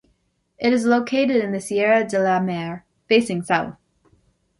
It is located in the Sierra de la Mar, facing south.